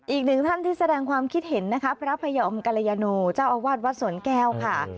อีกหนึ่งท่านที่แสดงความคิดเห็นนะคะพระพยอมกรยาโนเจ้าอาวาสวัดสวนแก้วค่ะ